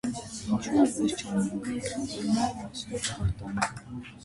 Ինչու այնպես չանենք, որ նա էլ մեզնով հպարտանա: